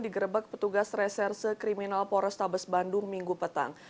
digerebek petugas reserse kriminal polres tabes bandung minggu petang